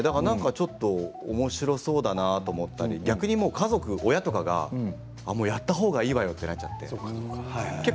ちょっとおもしろそうだなと思って逆に親とかがやったほうがいいわよと、なっちゃって。